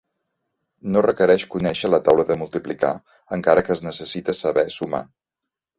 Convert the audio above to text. No requereix conèixer la taula de multiplicar, encara que es necessita saber sumar.